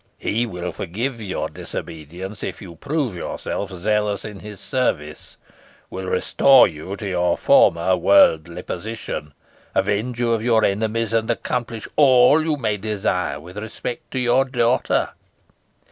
He will forgive your disobedience if you prove yourself zealous in his service; will restore you to your former worldly position; avenge you of your enemies; and accomplish all you may desire with respect to your daughter."